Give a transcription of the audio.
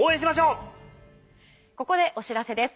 ここでお知らせです。